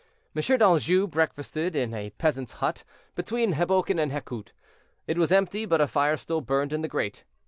M. d'Anjou breakfasted in a peasant's hut, between Heboken and Heckhout. It was empty, but a fire still burned in the grate.